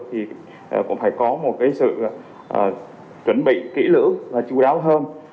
thì cũng phải có một sự chuẩn bị kỹ lưỡng và chú đáo hơn